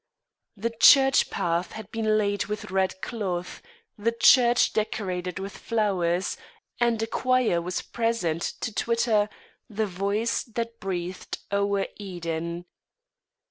The church path had been laid with red cloth, the church decorated with flowers, and a choir was present to twitter "The voice that breathed o'er Eden."